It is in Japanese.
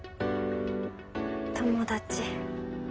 友達。